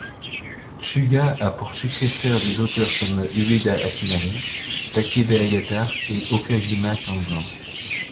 Tsuga a pour successeurs des auteurs comme Ueda Akinari, Takebe Ayatar et Okajima Kanzan.